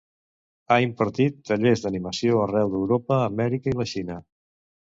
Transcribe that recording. Ha impartit tallers d'animació arreu d'Europa, Amèrica i la Xina.